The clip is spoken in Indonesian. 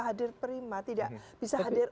hadir prima tidak bisa hadir